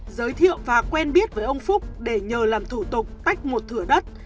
giới thiệu và quen biết với ông phúc để nhờ làm thủ tục tách một thửa đất